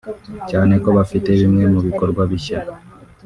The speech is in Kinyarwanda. cyane ko bafite bimwe mu bikorwa bishya